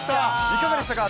いかがでしたか？